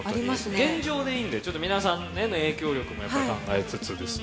現状でいいのでちょっと皆さんへの影響力もやっぱり考えつつですね